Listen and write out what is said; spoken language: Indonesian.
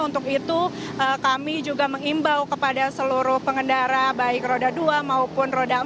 untuk itu kami juga mengimbau kepada seluruh pengendara baik roda dua maupun roda empat